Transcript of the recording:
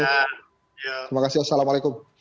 terima kasih ya assalamualaikum